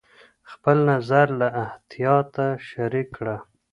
خپل نظر له احتیاطه شریک کړه.